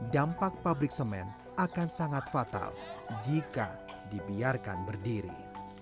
dampak pabrik semen akan sangat fatal jika dibiarkan berdiri